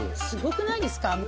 すごくないですか？